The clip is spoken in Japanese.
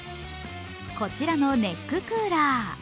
こちらのネッククーラー